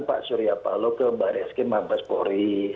pak surya paloh ke baris kim mampaspori